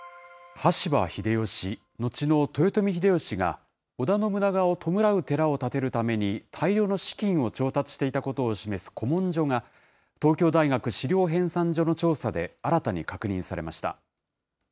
羽柴秀吉、後の豊臣秀吉が、織田信長を弔う寺を建てるために大量の資金を調達していたことを示す古文書が、東京大学史料編纂所の調査で新たに確認されました。